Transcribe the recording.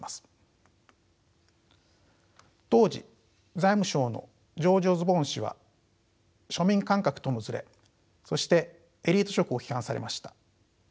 当時財務相のジョージ・オズボーン氏は庶民感覚とのずれそしてエリート色を批判されました。